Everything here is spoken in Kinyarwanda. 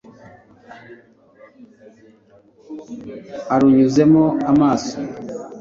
arunyuzemo amaso